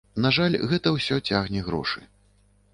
На жаль, гэта ўсё цягне грошы.